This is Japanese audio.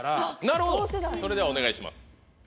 なるほどそれではお願いします。